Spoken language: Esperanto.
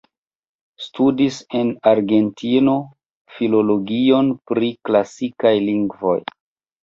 Studis en Argentino Filologion pri Klasikaj Lingvoj.